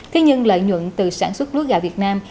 thế nhưng lợi nhuận từ sản xuất lúa gạo việt nam